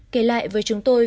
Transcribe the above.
kể lại với chúng tôi